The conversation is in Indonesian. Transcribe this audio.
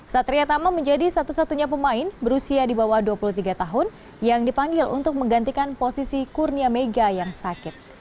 satria tama menjadi satu satunya pemain berusia di bawah dua puluh tiga tahun yang dipanggil untuk menggantikan posisi kurnia mega yang sakit